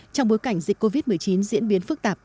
trong bối cảnh dịch covid một mươi chín diễn biến phức tạp